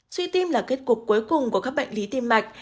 suy tim là kết cục cuối cùng của các bệnh lý tim mạch